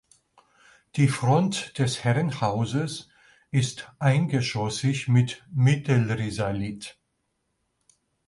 Die Front des Herrenhauses ist eingeschossig mit Mittelrisalit.